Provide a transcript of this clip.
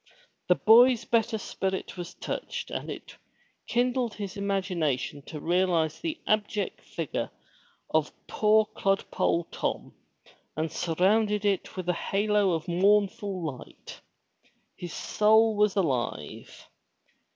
The boy's better spirit was touched, and it kindled his imagination to realize the abject figure of poor clodpole Tom, and surround it with a halo of mournful light. His soul was alive.